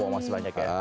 masih banyak ya